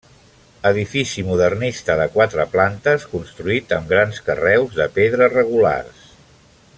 Edifici modernista de quatre plantes construït amb grans carreus de pedra regulars.